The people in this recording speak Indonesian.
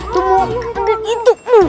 tunggu ambil hidupmu